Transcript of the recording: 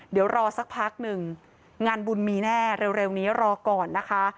เดี๋ยวรอสักพักหนึ่งงานบุญมีแน่เร็วนี้รอก่อนนะคะ